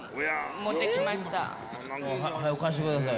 はよ、貸してください。